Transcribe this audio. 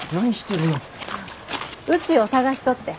うちを探しとって。